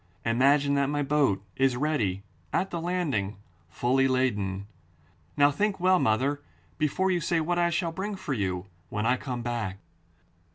Imagine that my boat is ready at the landing, fully laden. Now think well, mother, before you say what I shall bring for you when I come back.